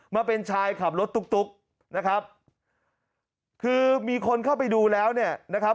มาเป็นชายขับรถตุ๊กตุ๊กนะครับคือมีคนเข้าไปดูแล้วเนี่ยนะครับ